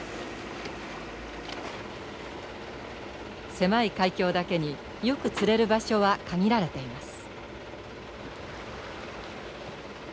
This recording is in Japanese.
狭い海峡だけによく釣れる場所は限られています。